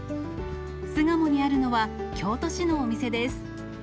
巣鴨にあるのは、京都市のお店です。